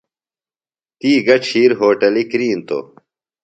تی گہ ڇِھیر ہوٹِلی کِرِینتوۡ۔